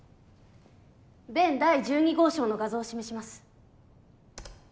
弁第１２号証の画像を示します。